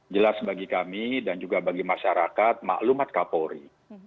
jelas bagi kami dan juga bagi masyarakat maklumat kapolri